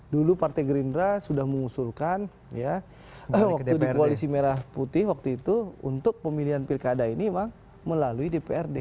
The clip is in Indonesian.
dulu partai gerindra sudah mengusulkan ya waktu di koalisi merah putih waktu itu untuk pemilihan pilkada ini memang melalui dprd